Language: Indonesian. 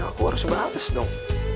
aku harus berhapus dong